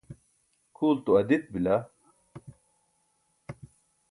kʰuulto adit bila.